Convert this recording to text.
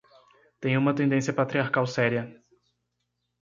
Tem uma tendência patriarcal séria